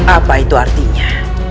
apa itu artinya